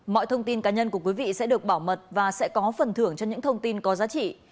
mọi thông tin cá nhân của quý vị sẽ được bảo mật và sẽ có phần thưởng cho những thông tin có giá trị